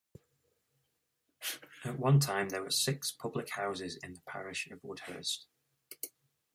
At one time there were six public houses in the parish of Woodhurst.